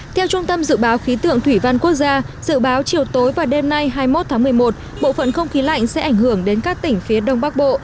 theo trung tâm dự báo khí tượng thủy văn quốc gia dự báo chiều tối và đêm nay hai mươi một tháng một mươi một bộ phận không khí lạnh sẽ ảnh hưởng đến các tỉnh phía đông bắc bộ